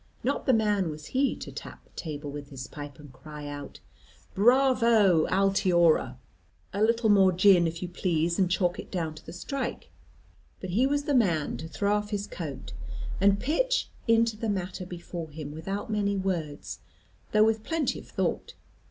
Not the man was he to tap the table with his pipe, and cry out, "Bravo, Altiora! A little more gin if you please, and chalk it down to the Strike;" but he was the man to throw off his coat, and pitch into the matter before him without many words, though with plenty of thought.